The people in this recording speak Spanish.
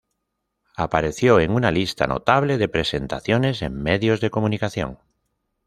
Apareció en una lista notable de presentaciones en medios de comunicación.